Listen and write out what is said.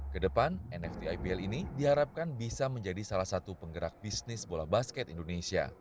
kedepan nft ibl ini diharapkan bisa menjadi salah satu penggerak bisnis bola basket indonesia